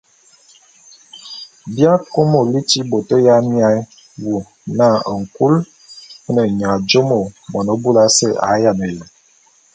Bi akômo liti bôt ya miaé wu na nkul ô ne nya jùomo mone búlù ase a yiane yem.